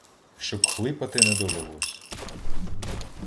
Щоб хлипати не довелось.